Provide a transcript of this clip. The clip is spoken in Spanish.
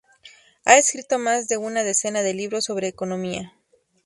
Ha escrito más de una decena de libros sobre economía.